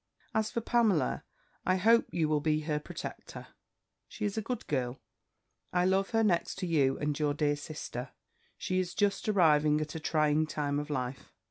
"'As for Pamela, I hope you will be her protector! She is a good girl: I love her next to you and your dear sister. She is just arriving at a trying time of life.